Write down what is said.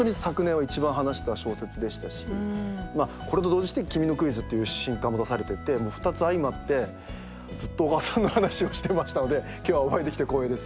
これと同時『君のクイズ』っていう新刊も出されてて２つ相まってずっと小川さんの話をしてましたので今日はお会いできて光栄です。